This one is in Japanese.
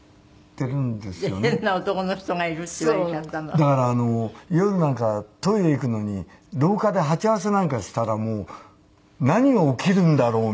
だから夜なんかトイレ行くのに廊下で鉢合わせなんかしたらもう何が起きるんだろうみたいな。